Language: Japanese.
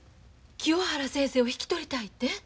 清原先生を引き取りたいて？